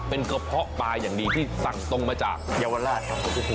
เป็นกระเพาะปลาอย่างดีที่สั่งตรงมาจากเยาวราชครับ